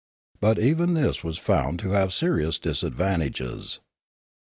But even this was found to have serious 320 Limanora disadvantages.